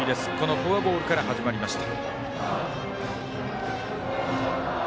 フォアボールから始まりました。